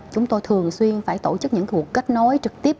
chúng tôi thường xuyên phải tổ chức những cuộc kết nối trực tiếp